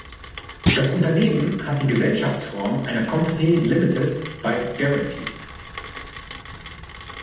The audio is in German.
Das Unternehmen hat die Gesellschaftsform einer Company limited by guarantee.